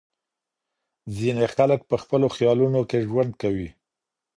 ځينې خلګ په خپلو خيالونو کي ژوند کوي.